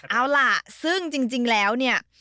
เอาล่ะซึ่งจริงแล้วเนี่ย